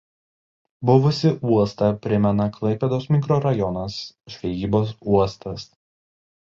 Buvusį uostą primena Klaipėdos mikrorajonas Žvejybos uostas.